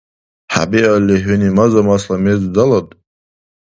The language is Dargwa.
ХӀебиалли, хӀуни маза-масла мез далад?